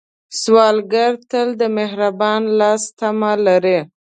سوالګر تل د مهربان لاس تمه لري